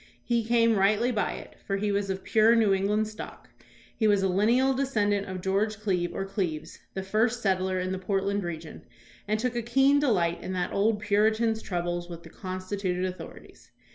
He came rightly by it, for he was of pure New England stock. He was a lineal descend ant of George Cleve, or Cleaves, the first settler in the Portland region, and took a keen delight in that old Puritan's troubles with the constituted authorities.